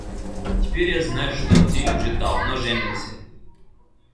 Теперь я знаю, что ты уже давно женился.